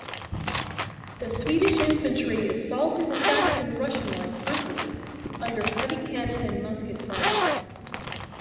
The Swedish infantry assaulted the Saxon-Russian line frontally, under heavy cannon and musket fire.